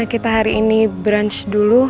kita hari ini brunch dulu